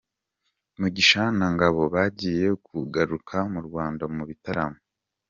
Mugisha na Ngbo bagiye kugaruka mu Rwanda mu bitaramo